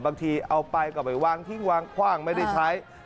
บางทีเอาไปก็ไปวางทิ้งวางคว่างไม่ได้ใช้